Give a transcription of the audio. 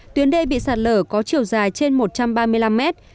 tuyến đê bị sạt lở có chiều dài trên một trăm ba mươi năm mét